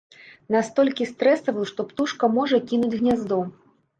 Настолькі стрэсавую, што птушка можа кінуць гняздо.